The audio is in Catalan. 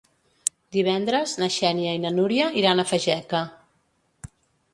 Divendres na Xènia i na Núria iran a Fageca.